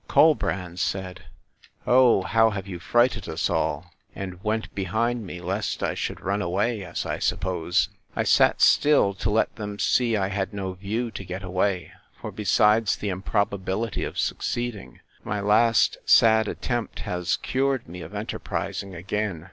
Colbrand said, O how have you frighted us all!—And went behind me, lest I should run away, as I suppose. I sat still, to let them see I had no view to get away; for, besides the improbability of succeeding, my last sad attempt has cured me of enterprising again.